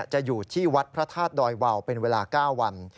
อยู่ที่วัดพระธาตุดอยวาวเป็นเวลา๙วัน